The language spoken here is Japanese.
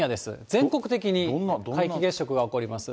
全国的に皆既月食が起こります。